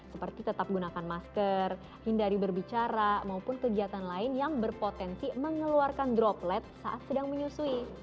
seperti tetap gunakan masker hindari berbicara maupun kegiatan lain yang berpotensi mengeluarkan droplet saat sedang menyusui